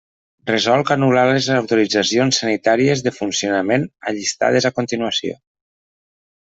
Resolc anul·lar les autoritzacions sanitàries de funcionament allistades a continuació.